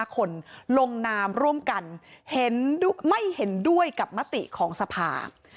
๕คนลงนามร่วมกันไม่เห็นด้วยกับมติของสภา